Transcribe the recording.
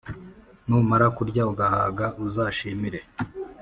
Numara kurya ugahaga, uzashimire